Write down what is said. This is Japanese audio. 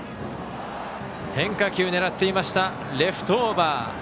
変化球を狙っていましたレフトオーバー。